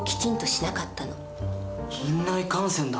院内感染だ。